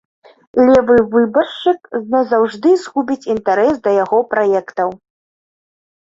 Левы выбаршчык назаўжды згубіць інтарэс да яго праектаў.